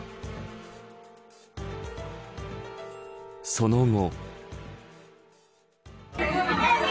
その後。